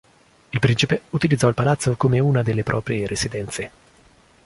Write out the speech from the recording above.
Il principe utilizzò il palazzo come una delle proprie residenze.